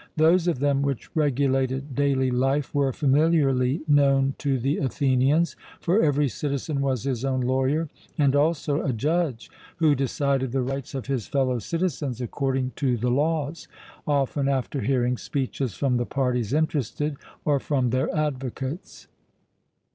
Those of them which regulated daily life were familiarly known to the Athenians; for every citizen was his own lawyer, and also a judge, who decided the rights of his fellow citizens according to the laws, often after hearing speeches from the parties interested or from their advocates.